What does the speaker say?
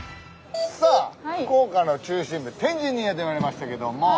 さあ福岡の中心部天神にやってまいりましたけども。